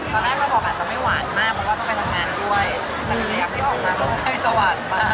พอได้มาบอกหันจะไม่หวานมาก